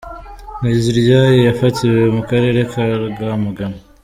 Nteziryayo yafatiwe mu Karere ka Rwamagana.